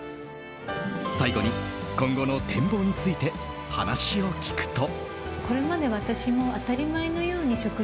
最後に、今後の展望について話を聞くと。